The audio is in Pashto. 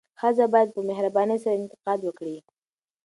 ښځه باید په مهربانۍ سره انتقاد وکړي.